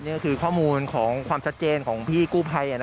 นี่ก็คือข้อมูลของความชัดเจนของพี่กู้ภัย